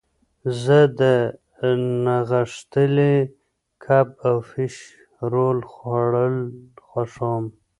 زه د نغښتلي کب او فش رول خوړل خوښوم.